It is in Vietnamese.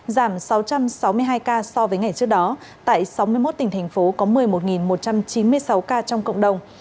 giảm sáu trăm sáu mươi hai ca so với ngày trước đó tại sáu mươi một tỉnh thành phố có một mươi một một trăm chín mươi sáu ca trong cộng đồng